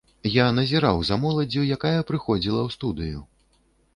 Я назіраў за моладдзю, якая прыходзіла ў студыю.